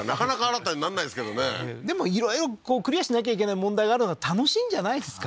いろいろクリアしなきゃいけない問題があるのは楽しいんじゃないですか？